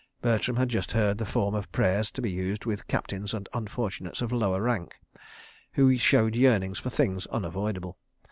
Bertram had just heard the form of prayer to be used with Captains and unfortunates of lower rank, who showed yearnings for things unavoidable.